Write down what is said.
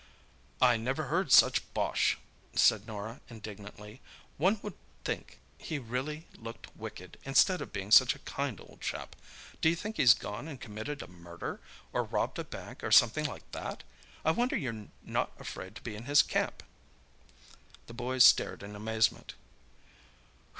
"I never heard such bosh!" said Norah indignantly. "One would think he really looked wicked, instead of being such a kind old chap. D'you think he's gone and committed a murder, or robbed a bank, or something like that? I wonder you're not afraid to be in his camp!" The boys stared in amazement.